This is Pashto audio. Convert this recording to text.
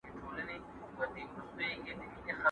¬ د خېره دي بېزاره يم، شر مه رارسوه!